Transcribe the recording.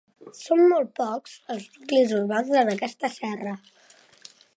Són molt pocs els nuclis urbans en aquesta serra.